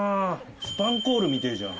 スパンコールみてぇじゃん。